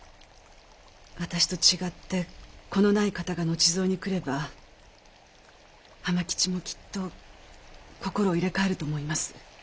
私と違って子のない方が後添えにくれば浜吉もきっと心を入れ替えると思います。